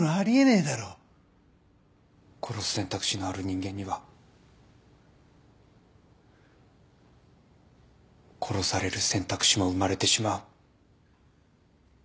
殺す選択肢のある人間には殺される選択肢も生まれてしまう。